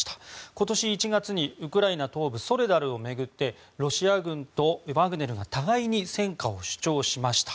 今年１月にウクライナ東部ソレダルを巡ってロシア軍とワグネルが互いに戦果を主張しました。